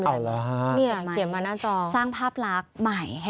อ๋อเหรอสร้างภาพลักษณ์ใหม่ให้เขาใส่บนหัวของเรานี่เขียนมาหน้าจอ